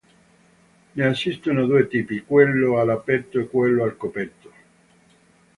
Ne esistono due tipi: Quello all'aperto e quello al coperto.